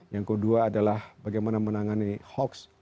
yang kedua adalah bagaimana menangani hoax